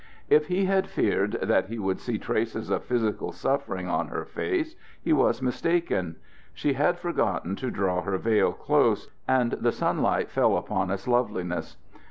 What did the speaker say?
If he had feared that he would see traces of physical suffering on her face, he was mistaken. She had forgotten to draw her veil close, and the sunlight fell upon its loveliness.